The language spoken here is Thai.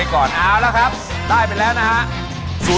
ก่อนอาวุธแล้วครับได้ไปแล้วนะฮะ